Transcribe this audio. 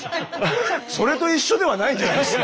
それと一緒ではないんじゃないですか。